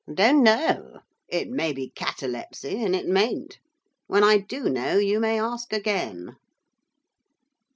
'Don't know. It may be catalepsy, and it mayn't. When I do know, you may ask again.